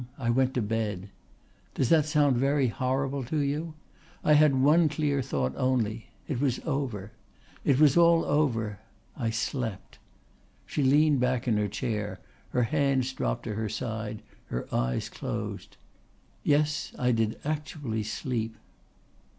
I went to bed. Does that sound very horrible to you? I had one clear thought only. It was over. It was all over. I slept." She leaned back in her chair, her hands dropped to her side, her eyes closed. "Yes I did actually sleep."